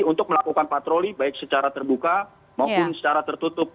untuk melakukan patroli baik secara terbuka maupun secara tertutup